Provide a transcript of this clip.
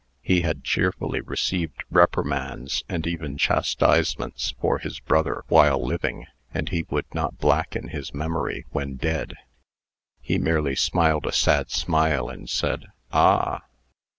He had cheerfully received reprimands, and even chastisements, for his brother while living; and he would not blacken his memory when dead. He merely smiled a sad smile, and said, "Ah?"